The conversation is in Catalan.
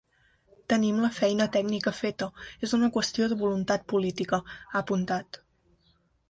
Tenim la feina tècnica feta, és una qüestió de voluntat política, ha apuntat.